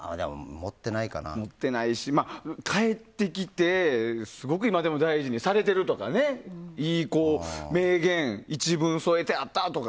持ってないし、返ってきてすごく今でも大事にされているとか名言、一文添えてあったとか。